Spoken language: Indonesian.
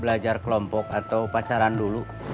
belajar kelompok atau pacaran dulu